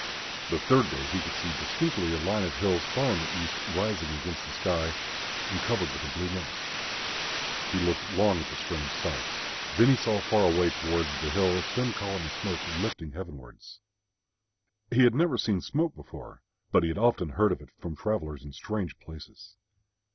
The third day he could see distinctly a line of hills far in the east, rising against the sky, and covered with a blue mist. He looked long at the strange sight. Then he saw far away towards the hill a thin column of smoke lifting heavenwards. He had never seen smoke before, but he had often heard of it from travellers in strange places.